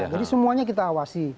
jadi semuanya kita awasi